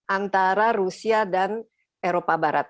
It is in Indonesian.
antara rusia dan eropa barat